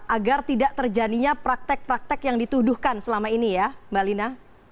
agar tidak terjadinya praktek praktek yang dituduhkan selama ini ya mbak lina